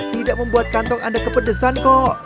tidak membuat kantong anda kepedesan kok